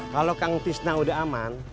kalau kang tisna udah aman